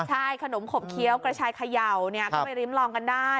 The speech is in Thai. ใช่ขนมขบเคี้ยวกระชายเขย่าก็ไปริ้มลองกันได้